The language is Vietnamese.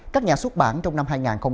các nhà xuất bản trong năm hai nghìn hai mươi